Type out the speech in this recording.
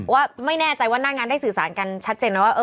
ว่าไม่แน่ใจว่าหน้างานได้สื่อสารกันชัดเจนนะว่า